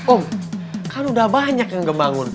oh kan udah banyak yang ngebangun